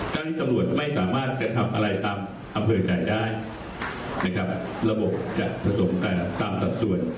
เมื่อที่ตำรวจไม่สามารถจะทำอะไรตามอเผยจ่ายได้นะครับระบบจะผสมกันตามสักส่วน